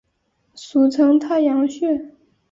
俗称太阳穴。